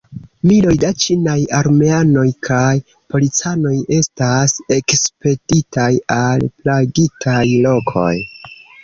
Miloj da ĉinaj armeanoj kaj policanoj estas ekspeditaj al plagitaj lokoj.